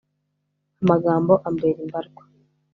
amagambo ambera imbarwa